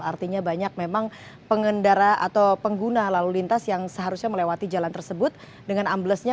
artinya banyak memang pengendara atau pengguna lalu lintas yang seharusnya melewati jalan tersebut dengan amblesnya